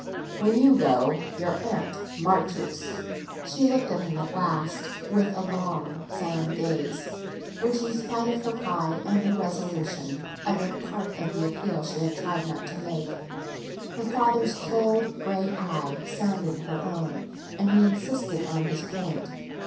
"When you go, your aunt marches." She looked at him at last, with a long silent gaze, which, in spite of her pride and her resolution, uttered part of the appeal she had tried not to make. Her father's cold grey eye sounded her own, and he insisted on his point.